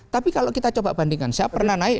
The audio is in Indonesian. tapi kalau kita coba bandingkan saya pernah naik